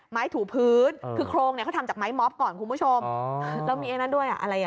ถูพื้นคือโครงเนี้ยเขาทำจากไม้ม็อบก่อนคุณผู้ชมอ๋อแล้วมีไอ้นั่นด้วยอ่ะอะไรอ่ะ